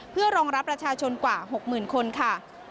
เพื่อรองรับประชาชนกว่า๖๐๐๐คนค่ะ